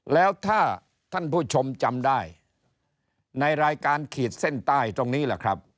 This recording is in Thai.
แล้วถ้าท่านผู้ชมจำได้ในรายการขีดเส้นใต้ตรงนี้แหละครับ